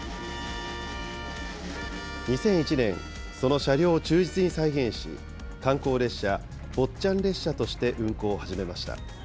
２００１年、その車両を忠実に再現し、観光列車、坊っちゃん列車として運行を始めました。